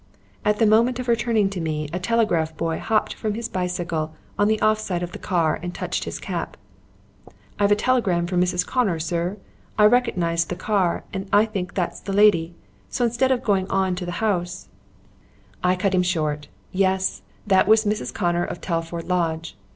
At the moment of her turning to me a telegraph boy hopped from his bicycle on the off side of the ear and touched his cap. "I've a telegram for Mrs. Connor, sir. I recognised the car and I think that's the lady. So instead of going on to the house " I cut him short. Yes. That was Mrs. Connor of Telford Lodge.